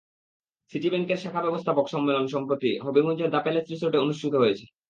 City ব্যাংকের শাখা ব্যবস্থাপক সম্মেলন সম্প্রতি হবিগঞ্জের দ্য প্যালেস রিসোর্টে অনুষ্ঠিত হয়েছে।